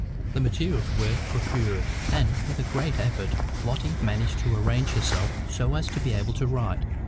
The materials were procured, and, with a great effort, Lotty managed to arrange herself so as to be able to write.